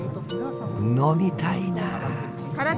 飲みたいなあ！